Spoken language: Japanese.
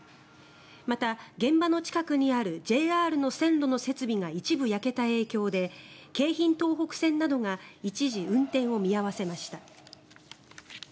また、現場の近くにあるＪＲの線路の設備が一部焼けた影響で京浜東北線などが一時運転を見合わせました。